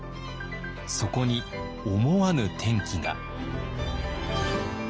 そこに思わぬ転機が。